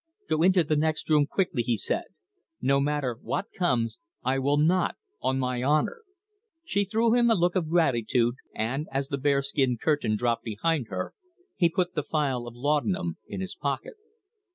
"Go into the next room quickly," he said. "No matter what comes, I will not on my honour!" She threw him a look of gratitude, and, as the bearskin curtain dropped behind her, he put the phial of laudanum in his pocket.